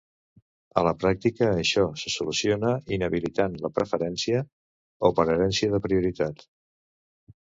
A la pràctica, això se soluciona inhabilitant la preferència o per herència de prioritat.